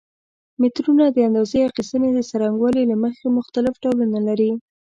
مترونه د اندازه اخیستنې د څرنګوالي له مخې مختلف ډولونه لري.